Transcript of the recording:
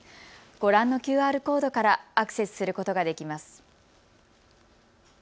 ご覧のＱＲコードからアクセスすることができます。